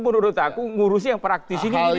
menurut aku ngurusi yang praktis ini